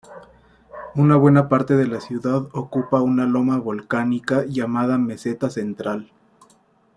Una buena parte de la ciudad ocupa una loma volcánica llamada meseta central.